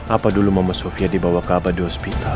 apa dulu mama sofia dibawa ke abad hospital